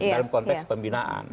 dalam konteks pembinaan